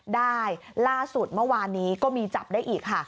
ได้ล่าสุดเมื่อวานนี้ก็มีจับได้อีกค่ะ